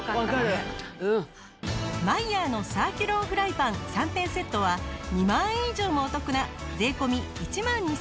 マイヤーのサーキュロンフライパン３点セットは２万円以上もお得な税込１万２８００円。